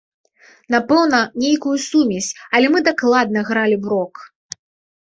Напэўна, нейкую сумесь, але мы дакладна гралі б рок!